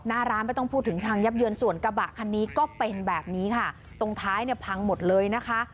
หน้าร้านไม่ต้องพูดถึงทางยับเยินส่วนกระบะคันนี้ก็เป็นแบบนี้ค่ะตรงท้ายเนี่ยพังหมดเลยนะคะ